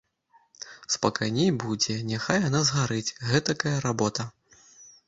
Спакайней будзе, няхай яна згарыць, гэтакая работа.